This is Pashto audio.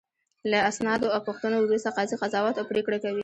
له اسنادو او پوښتنو وروسته قاضي قضاوت او پرېکړه کوي.